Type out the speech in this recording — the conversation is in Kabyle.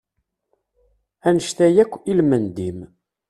Annect-a yark, ilmend-im!